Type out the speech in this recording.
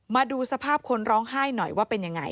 มาดูสภาพคนร้องไห้หน่อยว่าเป็นยังไง